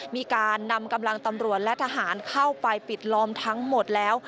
มีการนำกำลังตำรวจและทหารเข้าไปปิดล้อมทั้งหมดแล้ว